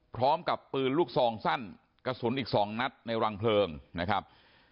พร้อมกับปืนลูกซองสั้นกระสุนอีก๒นัดในรังเพลิงนะครับ